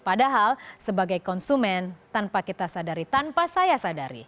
padahal sebagai konsumen tanpa kita sadari tanpa saya sadari